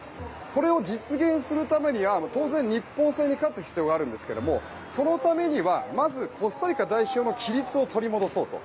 これを実現するためには当然、日本戦に勝つ必要があるんですけれどもそのためにはまずコスタリカの代表の規律を取り戻そうと。